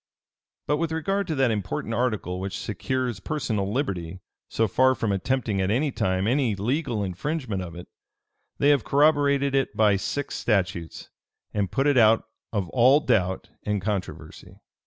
But with regard to that important article which secures personal liberty, so far from attempting at any time any legal infringement of it, they have corroborated it by six statutes, and put it out of all doubt and controversy.